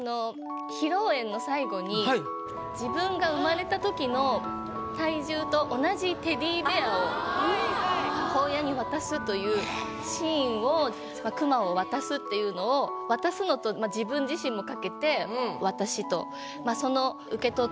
披露宴の最後に自分が生まれた時の体重と同じテディベアを母親に渡すというシーンをクマを渡すっていうのを「渡す」のと自分自身も掛けて「私」と。